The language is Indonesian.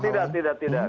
oh tidak tidak tidak